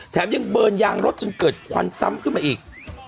แถมยังเบิร์นยางรถจนเกิดควันซ้ำขึ้นมาอีก